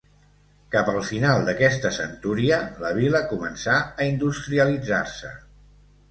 Cap al final d'aquesta centúria la vila començà a industrialitzar-se.